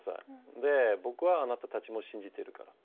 で、僕はあなたたちを信じているから。